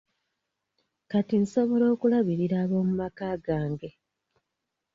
Kati nsobola okulabirira ab'omumaka gange.